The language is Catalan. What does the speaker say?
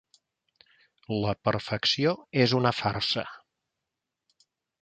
La perfecció és una farsa.